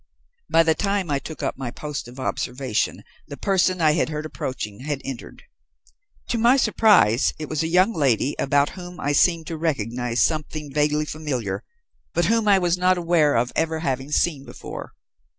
By the time I took up my post of observation the person I had heard approaching had entered. To my surprise it was a young lady about whom I seemed to recognize something vaguely familiar, but whom I was not aware of ever having seen before.